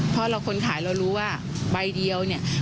เพราะคนขายเรารู้ว่าใบเดียวเนี่ย